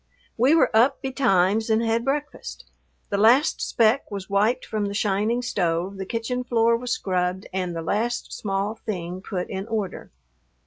We were up betimes and had breakfast. The last speck was wiped from the shining stove, the kitchen floor was scrubbed, and the last small thing put in order.